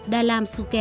đa lam xu ken